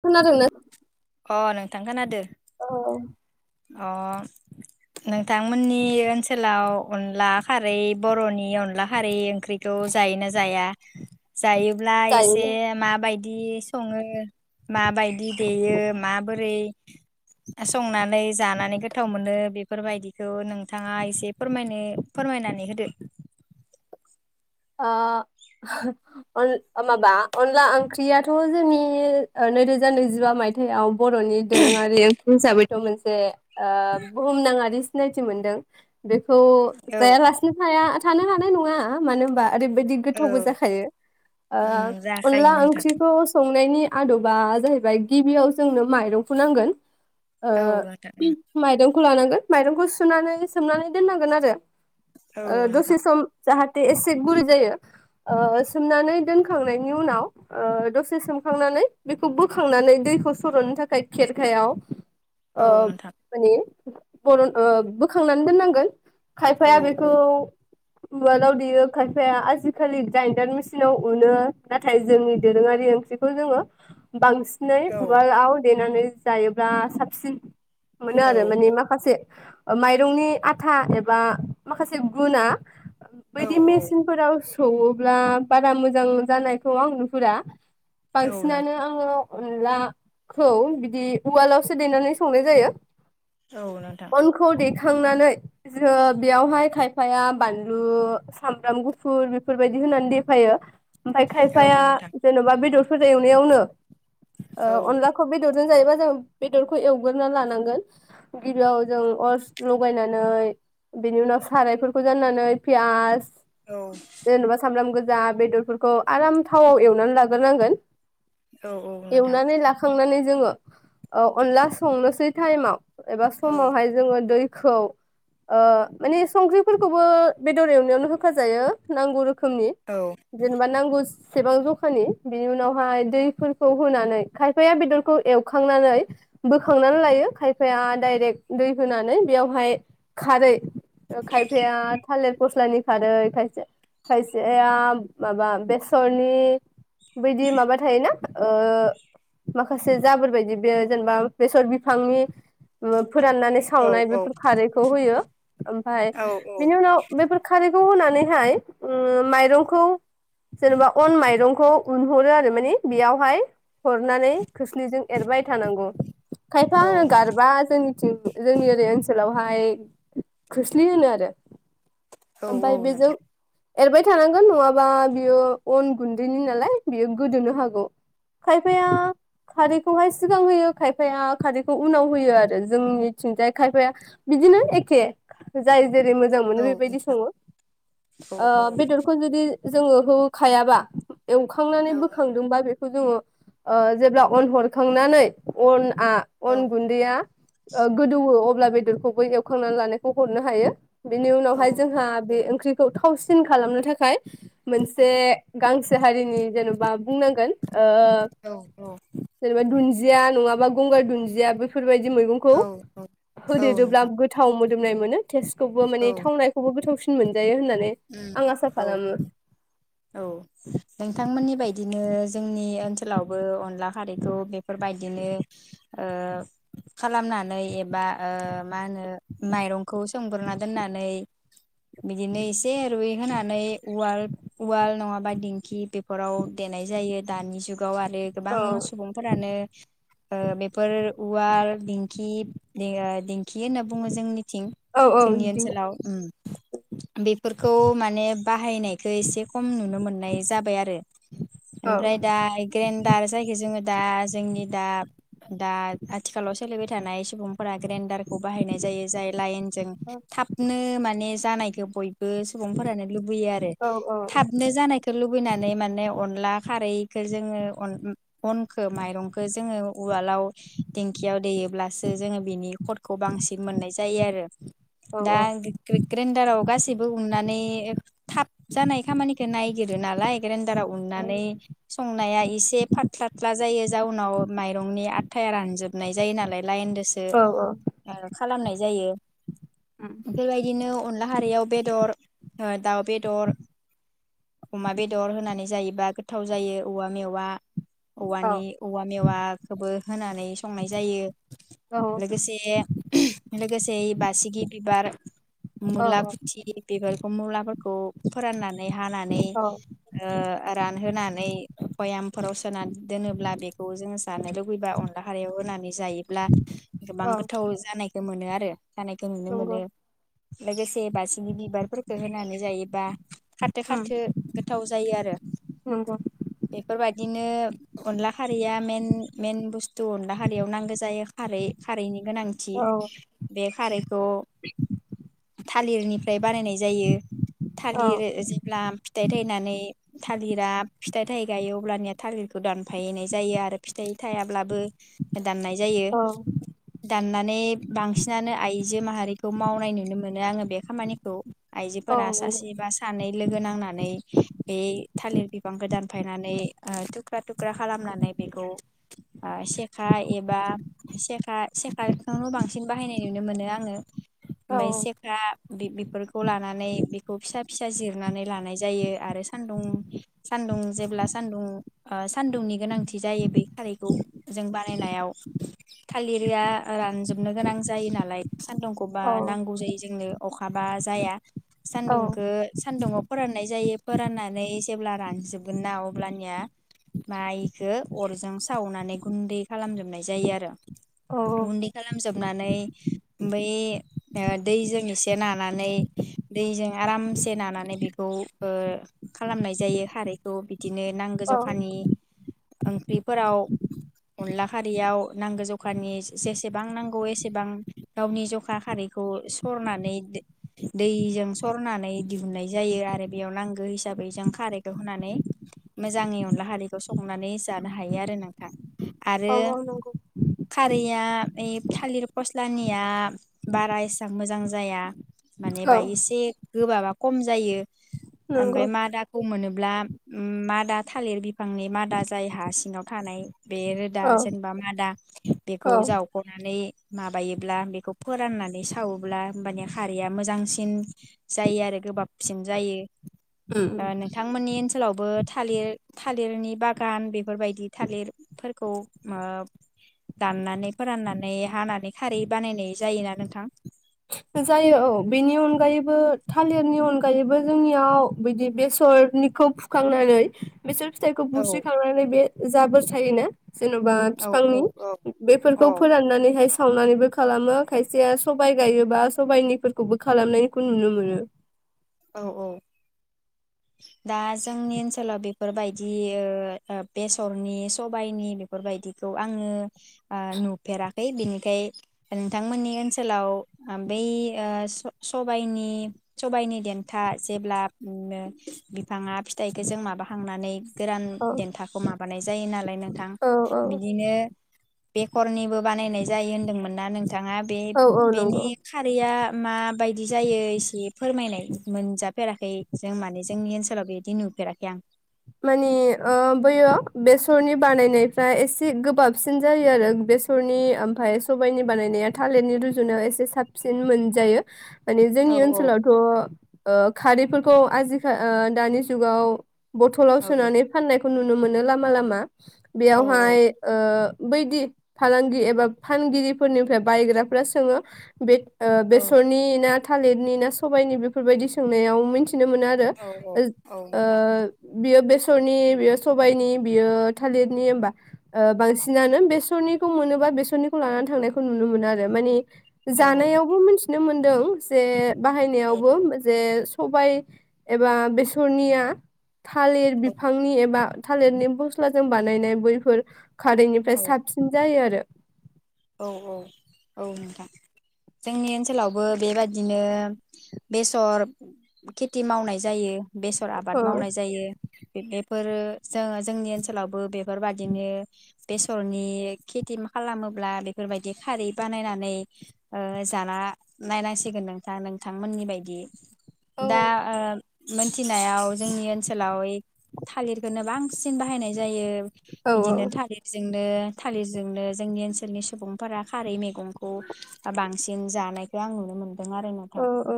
खोनादोंना अ नोंथां खोनादो औ अ नोंथांमोननि ओनसोलाव अनला खारै बर'नि अनला खारै ओंख्रिखौ जायोना जाया जायोब्ला जायो एसे दे माबायदि बिदि सङो माबायदि देयो संनानै जानानै गोथाव मोनो बेफोरबायदिखौ नोंथाङा एसे फोरमनो फोरमायनानै होदो अ अन माबा अनला ओंख्रियाथ' जोंनि नैरोजा नैजिबा मायथाइयाव बर'नि दोरोङारि हिसाबैथ' मोनसे बुहुमनाङारि सिनायथि मोनदों बेखौ औ जायालासिनो थाया थानो हानाय नङा मानो होम ओरैबायदि गोथावबो औ जाखायो ओ उम अनला जाखायो नोंथां ओंख्रिखौ संनायनि आदबा जाहैबाय गिबियाव जोंनो माइरं फुनांगोन ओ औ नोंथां उम माइरं लानांगोन माइरंखौ सुनानै सोमनानै दोननांगोन आरो औ ओ नोंथां दसे सम जाहाथे गुरै जायो ओ सोमनानै दोनखांनायनि उनाव ओ दसे सोमखांनानै बेखौ बोखांनानै दैखौ सर'नो थाखाय खेरखायाव ओ औ नोंथां माने बरन ओ बोखांनानै दोननांगोन औ खायफाया औ बेखौ [unintelligible] खायफाया आजिखालि ग्राइडार मेसिनाव उनो नाथाय जोंनि दोरोङारि ओंख्रिखौ जोङो बांसिन नै औ उवालाव दे नानै जायोब्ला साबसिन मोनो आरो माने माखासे माइरंनि आथा एबा माखासे गुना औ औ सौओब्ला बारा मोजां जानायखौ आं नुहुरा औ बांसिनानो नोंथां आङो अनलाखौ बिदि उवालावसो दैनानै संनाय जायो औ नोंथां थांनानै जोङो बेयावहाय खायफाया बानलु साम साम्राम गुफुर बेफोरबायदि होनानै देफायो ओमफाय औ खायफाया नोंथां जेन'बा बेदर फोर एवनायावनो औ ओ अनलाखौ बेदर जों जायोबा जों बेदरखौ एवगोरना लानांगोन गिबियाव जों अर लगायनानै बेनि उनाव सारायफोरखौ जाननानै पियास औ जेनबा सामब्राम गो जा बेदरफोरखौ आराम थावाव एवनानै लाग्रोनांगोन औ नोंथां एवनानै लाखांनानै जोङो ओ अनला संनोसै टाइमाव एबा औ समावहाय जोङो दै खौ ओ माने संख्रिफोरखौबो बेदर एवनायावनो होफ जायो नांगौ रो रोखोमनि औ जेनेबा नांगौ सेसेबां जखानि बिनि उनावहाय दैफोरखौ होनानै खायफाया बेदरखौ एवखांनानै बोखांनानै लायो खायफाया डाइरेक्ट दै होनानै बेयावहाय खारै खायफाया थालिर फस्लानि खारै खायसे खायसेया माबा बेसरनि बैदि माबा थायोना ओ माखासे जाबोरबायदि बे जेनेबा बेसर बिफांनि ओ फोराननानै औ सावनाय बेफोर खारैखौ होयो ओमफ्राय औ बिनि उनाव बैफोर खौ होनानैहाय उ माइरंखौ जेनेबा अन माइरंखौ उनहरो आरो माने बेयावहाय हरनानै खोस्लिजों एरबाय थानांगौ खायफा औ नोंथां होनो गारबा जोंनि जोंनि ओरै ओनसोलाव हाय खोस्लि होनो आरो औ ओमफ्राय बेजों नोंथां एरबाय थानांगोन नङाबा बियो अन गुनदैनि नालाय बियो गोदोनो हागौ खायफाया खारैखौहाय सिगां होयो खायफाया खारैखौ उनाव होयो आरो जोंनिथिंजाय खायफाया बिदिनो एखे जाय जेरै मोजां मोनो बेबायदि ओ औ औ नोंथां औ बेदरखौ जुदि जोङो होखायाबा एवखांनानै बोखांदोंबा बेखौ जोङो ओ जेब्ला अन हरखांनानै अन आ अन गुनदैया ओ गोदौवो अब्ला बेदरखौबो एवखांनानै लानायखौ हरनो हायो बिनि उनावहाय आ बे ओंख्रिखौ थावसिन खालामनो थाखाय मोनसे गांसो हारिनि जेनेबा बुंनांगोन ओ औ जेनेबा दुन्दिया नङाबा गंगार दुन्दिया बेफोरबायदि मैगंखौ औ होदेरोब्ला नोंथां गोथाव मो मोदोमनाय मोनो थेसखौबो औ माने थावनाय गोथावसिन मोनजायो होनना आं आसा औ खालामो औ नोंथांमोननि बायदिनो जोंनि ओनसोलावबो अनला खारैखौ बेफोरबायदिनो ओ खालामनानै एबा ओ मा होनो माइरंखौ सोमग्रोना दोननानै बिदिनो एसे रुइ होनानै उवाल उवाल नङाबा दिंखि बेफोराव देनाय जायो दानि जुग गाव आरो औ गोबां सुबुंफोरानो ओ बेफोर उवाल दिंखि ओ दिंखि होनना बुङो जोंनि थिं औ औ जोंनि दिं ओनसोलाव ओम बेफोरखौ माने बाहायनायखौ एसे खम नुनो मोननाय जाबाय आरो औ ओमफ्राय दा ग्रेन्डार जायखि जोङो दा जोंनि दा दा आथिखालाव सोलिबाय थानाय सुबुंफोरा ग्रेन्डारखौ बाहायनाय जायो जाय लाइन जों थाबनो माने जानायखौ बयबो सुबुंफोरानो लुबैयो आरो औ थाबनो जानायखौ लुबै फैनानै माने अनला खारैखो जोङो अन अनखो माइरंखो जोङो उवालाव दिेंखियाव देयोब्लासो जोङो बिनि खटखौ बांसिन मोननाय जायो आरो औ दा गे-गे ग्रेडाराव गासै गासिबो उननानै थाब जानाय खामानिखौ नायगिरो नालाय ग्रेनदाराव उननानै संनाया एसे फाथ्लाथ्ला जायो जाउनाव माइरंनि आथाया रानजोबनाय जायो नालाय लाइनदोसो औ औ खालामनाय जायो उम बेफोरबायदिनो अनला खारियाव बेदर ओ दाउ बेेदर अमा बेदर होनानै जायोबा गोथाव जायो औवा मेवा औ औवानि औवा मेवाखोबो होनानै संनाय जायो औ लोगोसे लोगोसे बासिगि बिबार औ मुलाखुथि [unintelligible] मुलाफोरखौ फोराननानै हानानै औ ओ रानहोनानै बयामफोराव सोना दोनोब्ला बेखौ जोङो जानो लुुबैबा अनला खारियाव होनानै जायोब्ला गोबां औ गोथाव जानायखौ मोनो आरो [unintelligible] जानायखौ नुनो मोनो नंगौ लोगोसे बासिगि बिबारफोरखो होनानै जायोबा खाथो उम खाथो गोथाव जायो आरो नंगौ बेफोरबायदिनो अनला खारैया मेन मेन बुस्थ थु अनला खारियाव नांगो जायो खारै खारैनि गोनांथि औ बे खारैखौ थालिरनिफ्राय बानायनाय जायो औ थालिर जेब्ला फिथाइ थाइनानै थालिरा फिथाइ थाइ गायो अब्लानिया थालिरखौ दानफायनाय जायो आरो फिथाइ थायाब्लाबो दाननाय जायो औ दानना माने बांसिनानो आइजो माहारिखौ मावनाय नुनो मोनो आङो बे खामानिखौ औ आइजोफोरा नंगौ सासे बा नै लोगो नांनानै बे थालिर बिफांखौ दानफायनानै ओ थुख्रा थुख्रा खालामनानै बेखौ ओ सेखा एबा सेखा सेखाखौनो बांसिन बाहायनाय नुनो मोनो आङो औ ओमफाय सेखा बे बेफोरखौ लानानै बेखौ फिसा फिसा जिरनानै लानाय जायो आरो सान्दुं सान्दुं जेब्ला सानदुं ओ सान्दुंनि गोनांथि जायो बै खारैखौ जों बानायनायाव थालिरया रानजोबनो गोनां जायो नालाय सान्दुंखौबा औ नांगौ जायो जोंनो अखा बा जाया औ सानदुं सान्दुुंङाव फोराननाय जायो फोराननानै जेब्ला रानजोबगोन ना अब्लानिया माइखो अरजों सावनानै गुन्दै खालामजोबनाय जायो आरो औ गुन्दै खालामजोबनानै बै ओ दैजों एसे नानानै दैजों आरामसे नानानै बेखौ ओ खालामनाय जायो खारैखौ बिदिनो नांगौ जखानि ओंख्रिफोराव अनला खारैयाव नांगौ जखानि जेसेबां नांगौ एसेबां गावनि जखा खारैखौ सरनानै दै-दैजों सरनानै दिहुननाय जायो आरो बेयाव नांगौ हिसाबै जों खारैखौ होनानै मोजाङै अनला खारैखौ संनानै जानो हायो आरो नोंथां आरो औ नंगौ खारै या ओइ थालिर फस्लानिया बारा एसां मोजां जाया माने औ बाय इसे गोबाबा खम जायो ओमफाय नंगौ मादाखौ मोनो ब्ला मादा थालिर बिफांनि मादा जाय हा सिङाव थानाय बे रोदा औ जेनेबा मादा बेखौ औ जावख'नानै माबायोब्ला बेखौ फोराननानै सावोब्ला होमबानिया खारैया मोजांसिन जायो आरो गोबाबसिन जायो उम ओ नोंथांमोननि ओनसोलावबो थालिर थालिरनि बागान बेफोरबायदि थालिरफोरखौ ओ दाननानै फोराननानै हानानै खारै बानायनाय जायो ना नोंथां जायो औ बेनि अनगायैबो थालिरनि अनगायैबो जोंनियाव बिदि बेसरनिखौ फुखांनानै बिसोर फिथाइखौ औ बुस्रिखांनानै बे जाबोर थायोना जेनबा औ औ बिफांनि औ बेफोरखौ औ फोराननानैहाय सावनानैबो खालामो खायसेया सबाय गायोबा सबायनिफोरखौबो खालामनायखौ नुनो मोनो औ औ दा जोंनि ओनसोलाव बेफोरबायदि ओ ओ बेसरनि सबायनि बेफोरबायदिखौ आङो ओ नुफेराखै बिनिखाय नोंथांमोननि ओनसोलाव बै ओ सब-सबायनि सबायनि देन्था जेब्ला बिफाङा फिथाइखो जों माबाखांनानै गोरान औ देन्थाखौ मा बानाय जायो नाल नाय नोथां औ औ बिदिनो बेकरनिबो बानायनाय जायो होन्दोंमोन ना नों बिथाङा बे औ औ बेनि नंगौ खारैया माबायदि जायो एसे फोरमायनाय मोनजा फेराखै जों माने जोंनि ओनसोलाव बेबायदि नुफेराखै आं मानि ओ बैयो बेसरनि बानायनायफ्रा एसे गोबाबसिन जायो आरो बेसरनि ओमफाय सबाइनि बानायनाया थालिरनि रुजुनायाव एसे साबसिन मोनजायो माने औ जोंनि ओनसोलावथ' ओ खारैफोरखौ आजिखा ओ दानि जुगाव बथ'लाव सोनानै फाननाय खौ नुनो मोनो लामा लामा औ बेयावहाय ओ बैदि फालांगि एबा फानगिरिफोरनिफ्राय बायग्राफ्रा सोङो बे ओ औ बेसरनि ना थालिरनि ना सबाइनि बेफोरबायदि सोंनायाव मि मिथिनो मोनो आरो औ औ औ ओ नोंथां बियो बेसरनि बेयो सबाइनि बियो थालिरनि होमबा ओ बांसिनानो बेसरनिखौ मोनोबा बेसरनिखौ लानानै थांनायखौ नुनो मोनो आरो मानि औ जानायावबो मिथिनो मोन दों जे औ बाहायनायावबो जे सबाइ एबा बेसरनिया थालिर बिफांनि एबा थालिरनि फस्लाजों बानायनाय बैफोर खारैनिफ्राय साबसिन जायो आरो औ औ औ नोंथां जोंनि ओनसोलावबो बेबादिनो बेसर खेथि मावनाय जायो बेसर आबाद ओ मावनाय जायो बि बेफोर जों जोंनि ओनसोलावबो बेफोरबायदिनो बेसरनि खेथि मा खालामो ब्ला बेफोरबायदि खारै बानायनानै जाना नायनांसिगोन नोंथां नोंथांमोननि बायदि दा ओ मोनथिनायाव जोंनि ओनसोलाव ओइ थालिरखौनो बांसिन बाहायनाय जायो औ बिदिनो थालिरजोंनो थालिरजोंनो जोंनि ओन ओनसोलनि सुबुंफोरा खारै मैगंखौ बांसिन जानायखौ आं नुनो मोनदों दों आरो नोंथां औ औ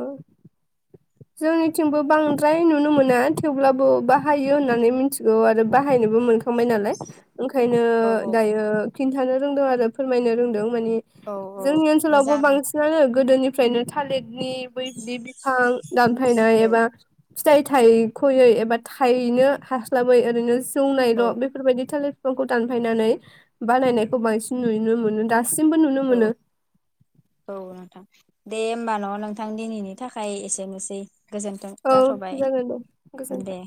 जोंनिथिंबो बांद्राय नुनो मोना थेवब्लाबो बाहायो होननानै मिथिगौ आरो बाहायनोबो मोनखांबाय नालाय ओंखायनो औ औ दायो खिन्थानो रोंदों आरो फोरमायनो रोंदों माने औ औ जोंनि ओनसोलावबो मोजां नोंथां बांसिनानो गोदोनि फ्रायनो थालिरनि बै बिदि बिफां दानफायनाय औ एबा फिथाइ थाइख'यै एबा थायैनो हास्लाबै ओरैनो औ जौनायल' बेफोरबायदि थालिर खौ दानफायनानै बानायनायखौ बांसिन नुनो मोनो दा दासिमबो नुनो औ मोनो औ नोंथां दे होमबा न' नोंथां दिनैनि थाखाय एसेनोसै गोजोन्थों औ जाथ'बाय जागोन दे दे गोजोनथों